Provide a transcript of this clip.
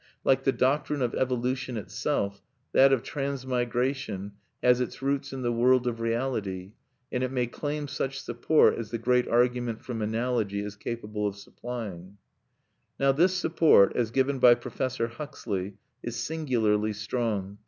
Like the doctrine of evolution itself, that of transmigration has its roots in the world of reality; and it may claim such support as the great argument from analogy is capable of supplying(1)." Now this support, as given by Professor Huxley, is singularly strong.